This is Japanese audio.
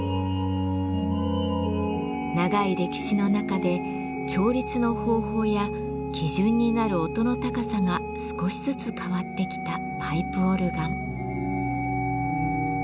長い歴史の中で調律の方法や基準になる音の高さが少しずつ変わってきたパイプオルガン。